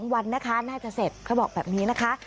วันนะคะน่าจะเสร็จเขาบอกแบบนี้นะคะ